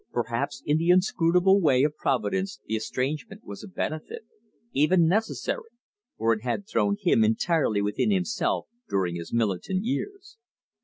Perhaps in the inscrutable way of Providence the estrangement was of benefit, even necessary, for it had thrown him entirely within himself during his militant years.